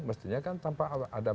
mestinya kan tanpa ada